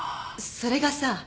それがさ